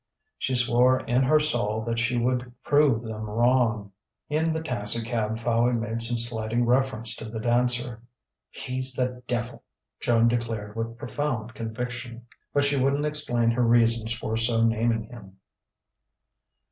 She swore in her soul that she would prove them wrong. In the taxicab Fowey made some slighting reference to the dancer. "He's the devil!" Joan declared with profound conviction. But she wouldn't explain her reasons for so naming him.